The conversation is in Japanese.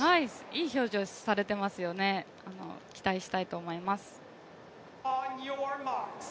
いい表情をされてますよね、期待したいと思います。